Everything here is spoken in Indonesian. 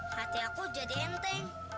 hati aku jadi enteng